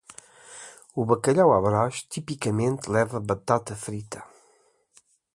O bacalhau à Brás tipicamente leva batata frita.